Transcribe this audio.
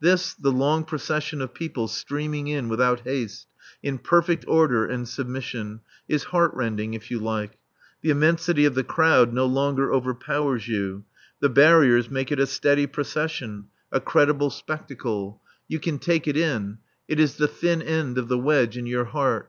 This, the long procession of people streaming in without haste, in perfect order and submission, is heart rending if you like. The immensity of the crowd no longer overpowers you. The barriers make it a steady procession, a credible spectacle. You can take it in. It is the thin end of the wedge in your heart.